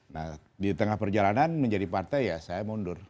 nah di tengah perjalanan menjadi partai ya saya mundur